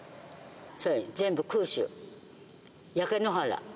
全部空襲、焼け野原。